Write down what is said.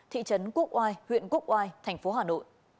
thị trấn quốc oai huyện cúc oai thành phố hà nội